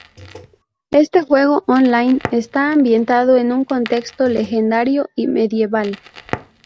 Este juego online está ambientado en un contexto legendario y medieval.